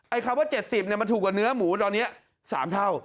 คำว่า๗๐มันถูกกว่าเนื้อหมูตอนนี้๓เท่า